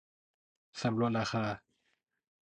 สำรวจราคา